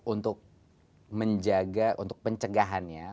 untuk menjaga untuk pencegahannya